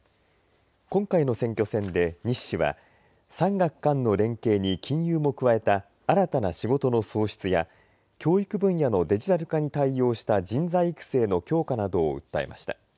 今回の選挙戦で西氏は産学官の連携に金融も加えた新たな仕事の創出や教育分野のデジタル化に対応した人材育成の強化などを訴えました。